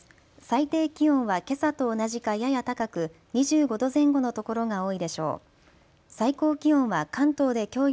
最低気温はけさと同じかやや高く２５度前後の所が多いでしょう。